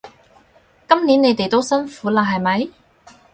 今年你哋都辛苦喇係咪？